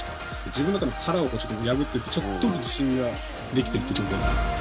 自分の中の殻をちょっと破ってちょっとずつ自信ができてるって状態です